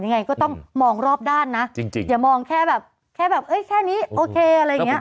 ยังไงก็ต้องมองรอบด้านนะอย่ามองแค่แบบแค่นี้โอเคอะไรอย่างนี้